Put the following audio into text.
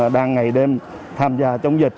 đang ngày đêm tham gia chống dịch